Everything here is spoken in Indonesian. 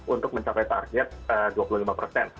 untuk mencapai target dua puluh lima persen